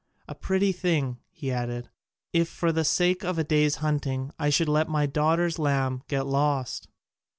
A pretty thing," he added, "if for the sake of a day's hunting I should let my daughter's lamb get lost."